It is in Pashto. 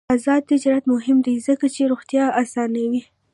آزاد تجارت مهم دی ځکه چې روغتیا اسانوي.